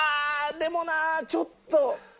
でもなちょっと。